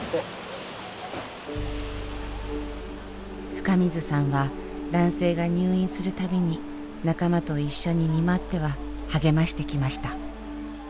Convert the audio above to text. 深水さんは男性が入院する度に仲間と一緒に見舞っては励ましてきました。